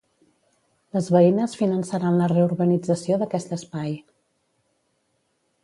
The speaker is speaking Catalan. Les veïnes finançaran la reurbanització d'aquest espai.